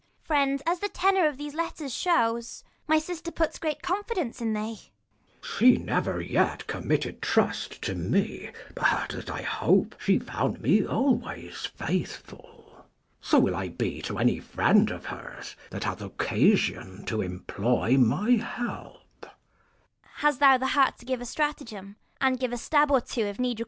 Friend, as the tenour of these letters shews, 45 My sister puts great confidence in thee. Mess. She never yet committed trust to me, But that, I hope, she found me always faithful : So will I be to any friend of hers, That hath occasion to employ my help.